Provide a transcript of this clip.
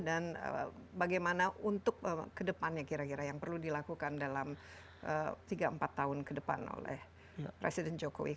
dan bagaimana untuk kedepannya kira kira yang perlu dilakukan dalam tiga empat tahun kedepan oleh presiden jokowi